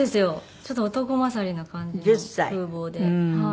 ちょっと男勝りな感じの風貌で。